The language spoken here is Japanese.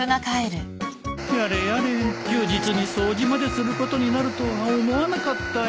やれやれ休日に掃除まですることになるとは思わなかったよ。